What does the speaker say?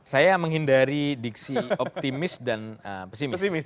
saya menghindari diksi optimis dan pesimis